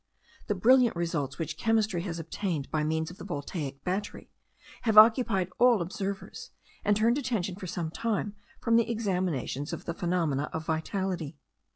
The brilliant results which chemistry has obtained by means of the Voltaic battery, have occupied all observers, and turned attention for some time from the examinations of the phenomena of vitality.